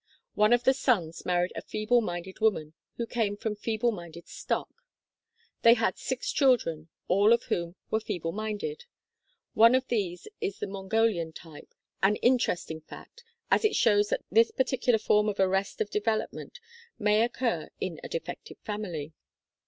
One of the sons married a feeble minded woman who came from feeble minded stock. They had six children, all of whom were feeble minded. One of these is of the Mongolian type, an interesting fact, as it shows that this particular form of arrest of develop ment may occur in a defective family.